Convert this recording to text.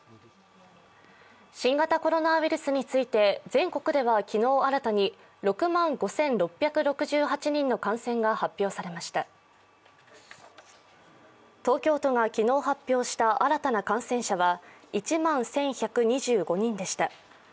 新型コロナウイルスについて全国では昨日新たに６万５６６８人の感染が発表されました東京都が昨日発表した新たな感染者は１万１１２５人でした。